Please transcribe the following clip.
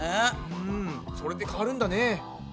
うんそれで変わるんだね。